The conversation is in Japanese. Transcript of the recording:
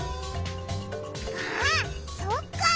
あっそっか！